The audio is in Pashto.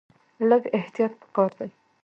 لږ احتیاط په کار دی.